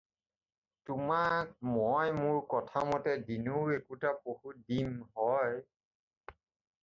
তোমাক মই মোৰ কথামতে দিনৌ পহু একোটা দিম হয়।